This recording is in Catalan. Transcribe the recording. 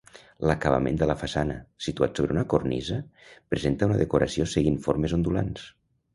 L'acabament de la façana, situat sobre una cornisa, presenta una decoració seguint formes ondulants.